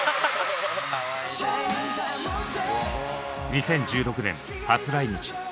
２０１６年初来日。